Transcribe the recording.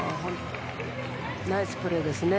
ナイスプレーですね。